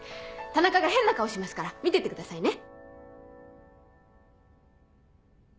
田中が変な顔しますから見ててくださいね。